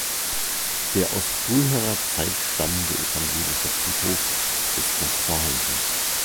Der aus früherer Zeit stammende evangelische Friedhof ist noch vorhanden.